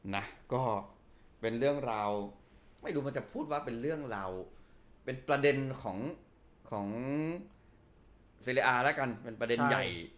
นะก็เป็นเรื่องราวไม่รู้มันจะพูดว่าเป็นเรื่องราวเป็นประเด็นของของซีเรียอาร์แล้วกันเป็นประเด็นใหญ่